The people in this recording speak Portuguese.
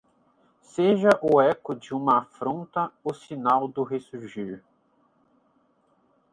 Seja o eco de uma afronta o sinal do ressurgir